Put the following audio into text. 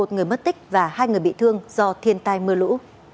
một người mất tích và hai người bị thương do thiên tai mưa lũ